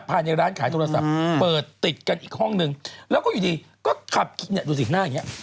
ภายในร้านขายโทรศัพท์เปิดติดกันอีกห้องนึงแล้วก็อยู่ดีก็ขับเนี่ยดูสิหน้าอย่างนี้